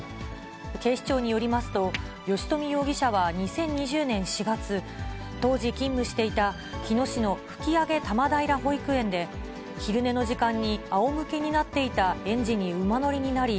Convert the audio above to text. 警視庁によりますと、吉冨容疑者は２０２０年４月、当時勤務していた日野市の吹上多摩平保育園で、昼寝の時間にあおむけになっていた園児に馬乗りになり、